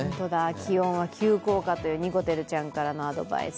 気温は急降下というにこてるちゃんからのアドバイス。